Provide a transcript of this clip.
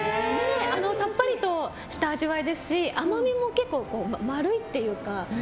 さっぱりとした味わいですし甘みも結構丸いというか。